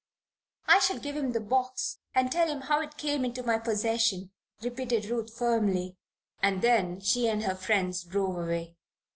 "I shall give him the box and tell him how it came into my possession," repeated Ruth, firmly, and then she and her friends drove away.